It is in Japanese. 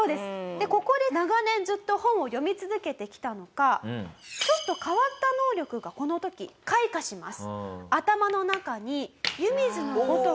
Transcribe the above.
でここで長年ずっと本を読み続けてきたのかちょっと変わった能力がこの時開花します。